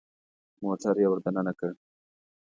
موټر يې ور دننه کړ.